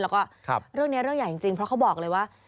แล้วก็เรื่องนี้เรื่องใหญ่จริงเพราะเขาบอกเลยว่า